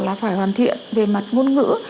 là phải hoàn thiện về mặt ngôn ngữ